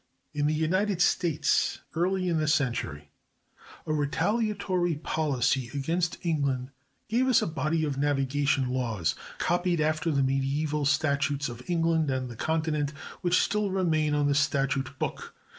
In the United States, early in the century, a retaliatory policy against England gave us a body of navigation laws copied after the mediæval statutes of England and the Continent, which still remain on the statute book.